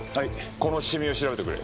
このシミを調べてくれ。